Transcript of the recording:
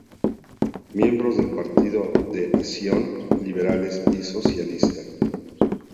Miembros del Partito d’Azione, liberales y socialista.